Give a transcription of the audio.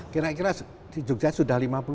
kira kira di yogyakarta sudah lima tahun